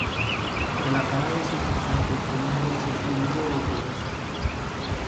El acabado es importante pudiendo ser pulido o rugoso.